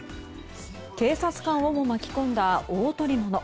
警察官をも巻き込んだ大捕物。